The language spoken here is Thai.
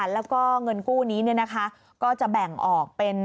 แล้วก็เงินกู้นี้ก็จะแบ่งออกเป็น